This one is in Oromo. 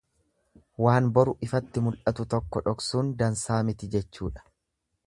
Waan boru ifatti mul'atu tokko dhoksuun dansaa miti jechuudha.